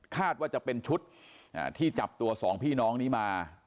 คาดว่าจะเป็นชุดที่จับตัวสองพี่น้องนี้มา